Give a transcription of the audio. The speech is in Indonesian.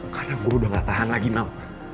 karena gue udah gak tahan lagi mel